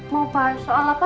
mau bahas soal apa